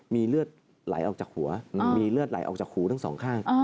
มีเลือดไหลออกจากหัวมีเลือดไหลออกจากหูทั้งสองข้าง